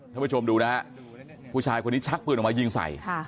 ท่านผู้ชมดูนะฮะผู้ชายคนนี้ชักปืนออกมายิงใส่